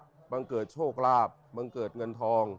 บังเกิดทรัพย์บังเกิดโชคลาภบังเกิดเงินทอง